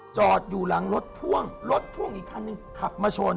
จอดอยู่หลังรถพ่วงรถพ่วงอีกคันหนึ่งขับมาชน